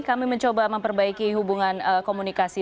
kami mencoba memperbaiki hubungan komunikasi